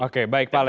oke baik pak alex